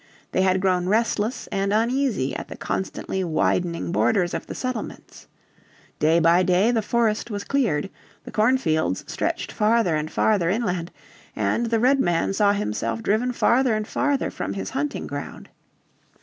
They had grown restless and uneasy at the constantly widening borders of the settlements. Day by day the forest was cleared, the cornfields stretched farther and farther inland, and the Redman saw himself driven farther and farther from his hunting ground.